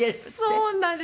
そうなんです。